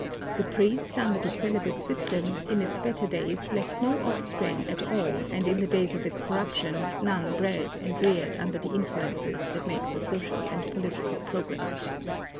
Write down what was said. The priest under the celibate system, in its better days left no offspring at all and in the days of its corruption none bred and reared under the influences that make for social and political progress.